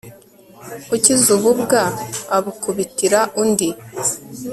ukize ububwa abukubitira undi